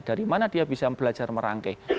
dari mana dia bisa belajar merangkai